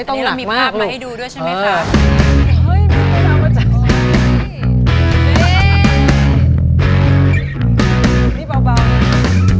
ต้องหนีดีในนิดนึง